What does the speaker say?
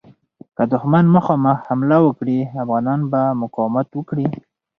که دښمن مخامخ حمله وکړي، افغانان به مقاومت وکړي.